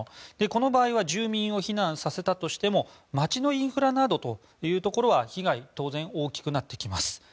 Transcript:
この場合は住民を避難させたとしても街のインフラなどというところは被害、当然大きくなってきます。